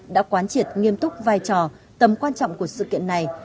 đã quán triệt nghiêm túc vai trò tầm quan trọng của sự kiện này